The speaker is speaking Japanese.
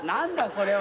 これは。